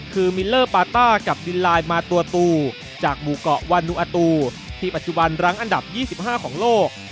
คือมิลเลอร์ปาต้ากับดินไลน์มาตัวตูจากหมู่เกาะวานูอาตูที่ปัจจุบันรั้งอันดับ๒๕ของโลก